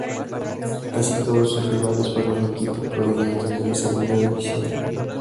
Casi todos sus rivales fueron equipos provenientes de la Segunda División.